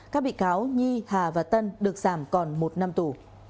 các bị cáo nhi hà và tân được giảm còn một năm tù